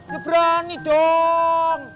ya berani dong